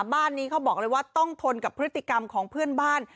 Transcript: บ้านนี้เขาบอกเลยว่าต้องทนกับพฤติกรรมของเพื่อนบ้าน